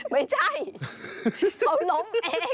ไม่ใช่เขาล้มเอง